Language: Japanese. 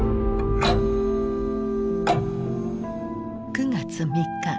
９月３日。